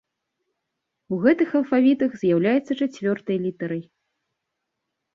У гэтых алфавітах з'яўляецца чацвёртай літарай.